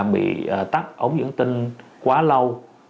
bị tắt ống dẫn tinh quá lâu